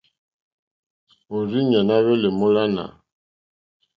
Òrzìɲɛ́ î hwɛ́lɛ́ èmólánà.